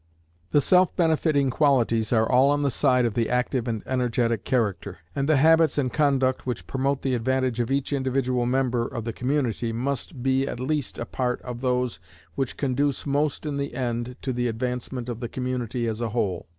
The self benefiting qualities are all on the side of the active and energetic character, and the habits and conduct which promote the advantage of each individual member of the community must be at least a part of those which conduce most in the end to the advancement of the community as a whole.